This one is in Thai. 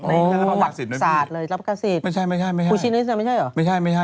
ไม่ใช่ไม่ใช่